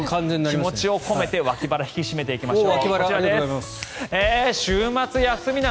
気持ちを込めて脇腹、引き締めていきましょう。